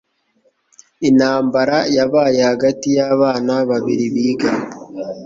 Intambara yabaye hagati y'abana babiri biga